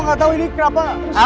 gak tahu ini kenapa